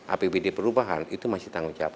apbd perubahan itu masih tanggung jawab